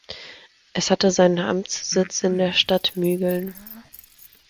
Es hatte seinen Amtssitz in der Stadt Mügeln.